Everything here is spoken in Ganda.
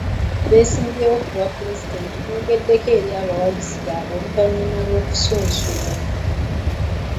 Abeesimbyewo ku bwa pulezidenti boogeddeko eri abawagizi baabwe oluvannyuma lw'okusunsulwa.